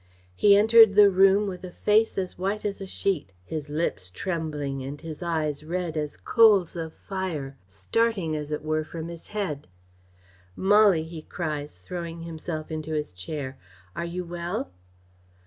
He entered the room with a face as white as a sheet, his lips trembling and his eyes red as coals of fire starting as it were from his head. 'Molly,' cries he, throwing himself into his chair, 'are you well?